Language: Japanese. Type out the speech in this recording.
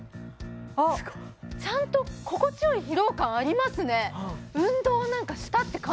あっちゃんと心地よい疲労感ありますね